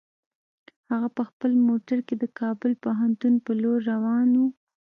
هغه په خپل موټر کې د کابل پوهنتون په لور روان و.